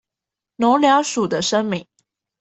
農糧署的聲明